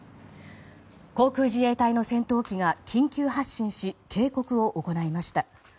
航空自衛隊の戦闘機が緊急発進し警告を行いました。